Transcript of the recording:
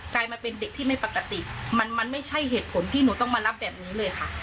กลายมาเป็นเด็กที่ไม่ปกติมันมันไม่ใช่เหตุผลที่หนูต้องมารับแบบนี้เลยค่ะ